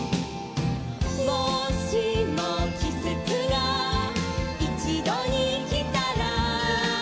「もしもきせつがいちどにきたら」